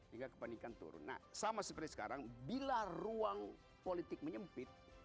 hingga kepanikan turun nah sama seperti sekarang bila ruang politik menyempit